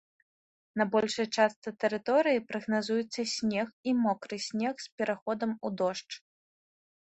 На большай частцы тэрыторыі прагназуецца снег і мокры снег з пераходам у дождж.